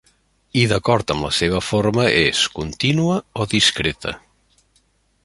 I d'acord amb la seva forma és: contínua o discreta.